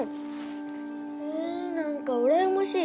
何かうらやましい